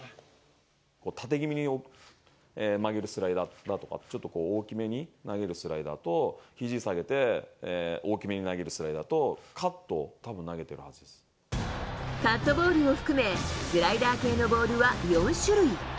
縦気味に曲げるスライダーだとか、ちょっと大きめに投げるスライダーと、ひじ下げて大きめに投げるスライダーと、カットをたぶん投げてるカットボールを含め、スライダー系のボールは４種類。